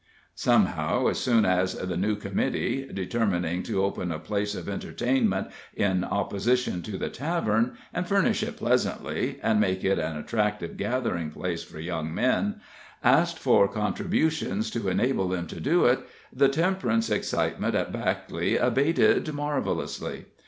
Somehow, as soon as the new committee determining to open a place of entertainment in opposition to the tavern, and furnish it pleasantly, and make it an attractive gathering place for young men asked for contributions to enable them to do it, the temperance excitement at Backley abated marvelously.